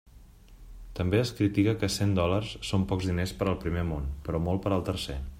També es critica que cent dòlars són pocs diners per al primer món, però molt per al tercer.